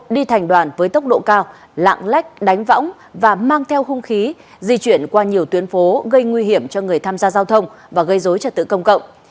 đi thành đoàn với tốc độ cao lạng lách đánh võng và mang theo hung khí di chuyển qua nhiều tuyến phố gây nguy hiểm cho người tham gia giao thông và gây dối trật tự công cộng